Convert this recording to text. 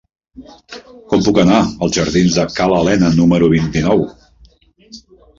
Com puc anar als jardins de Ca l'Alena número vint-i-nou?